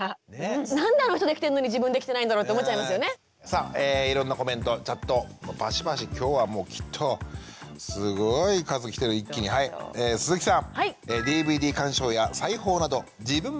さあいろんなコメントチャットバシバシ今日はもうきっとすごい数来てる一気にはい鈴木さん。